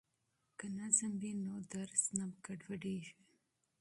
که نظم وي نو درس نه ګډوډیږي.